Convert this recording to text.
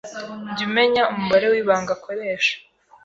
Jya umenya umubare w’ibanga akoresha